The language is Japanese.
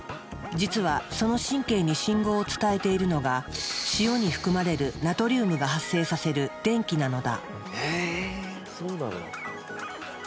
実はその神経に信号を伝えているのが塩に含まれるナトリウムが発生させる電気なのだ。